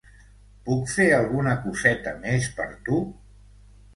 Puc fer alguna coseta més per tu?